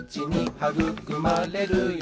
「はぐくまれるよ